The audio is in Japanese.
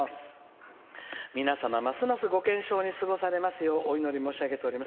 皆様ますますご健勝に過ごされますようお祈り申し上げております。